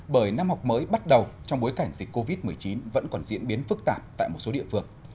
bởi năm học mới bắt đầu trong bối cảnh dịch covid một mươi chín vẫn còn diễn biến phức tạp tại một số địa phương